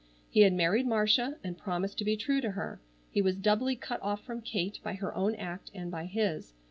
He had married Marcia and promised to be true to her. He was doubly cut off from Kate by her own act and by his.